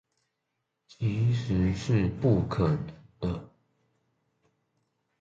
其實是不可能的